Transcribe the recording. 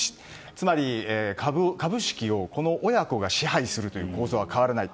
つまり、株式を親子が支配するという構図は変わらない。